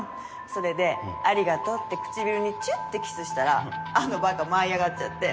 それでありがとうって唇にチュッてキスしたらあの馬鹿舞い上がっちゃって。